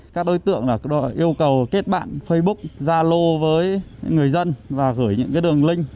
các đối tượng yêu cầu kết bạn facebook zalo với người dân và gửi những đường link